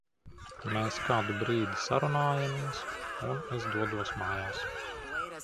Mēs kādu brīdi sarunājamies, un es dodos mājās.